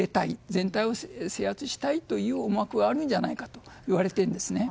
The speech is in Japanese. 全体を制圧したいという思惑があるんじゃないかと言われているんですね。